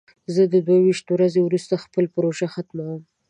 زه دوه ویشت ورځې وروسته خپله پروژه ختموم.